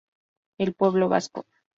El Pueblo Vasco".